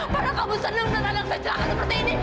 padahal kamu senang sama anak saya celaka seperti ini